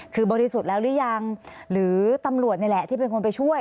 คือบริสุทธิ์แล้วหรือยังหรือตำรวจนี่แหละที่เป็นคนไปช่วย